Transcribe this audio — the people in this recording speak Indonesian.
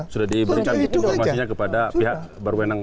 sudah diberikan informasinya kepada pihak berwenang